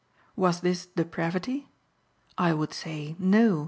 Was this depravity? I would say 'No!'